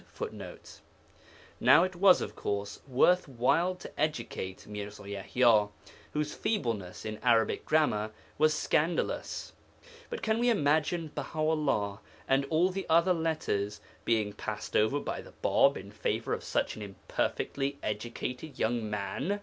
] Now it was, of course, worth while to educate Mirza Yaḥya, whose feebleness in Arabic grammar was scandalous, but can we imagine Baha 'ullah and all the other 'letters' being passed over by the Bāb in favour of such an imperfectly educated young man?